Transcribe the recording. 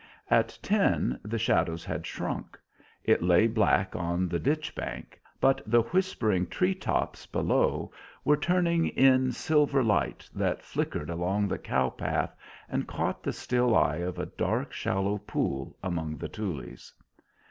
At ten the shadow had shrunk; it lay black on the ditch bank, but the whispering treetops below were turning in silver light that flickered along the cow path and caught the still eye of a dark, shallow pool among the tules.